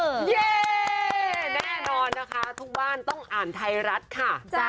เย่แน่นอนนะคะทุกบ้านต้องอ่านไทยรัฐค่ะ